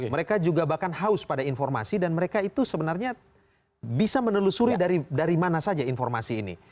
mereka juga bahkan haus pada informasi dan mereka itu sebenarnya bisa menelusuri dari mana saja informasi ini